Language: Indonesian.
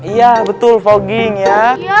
ya betul fogging ya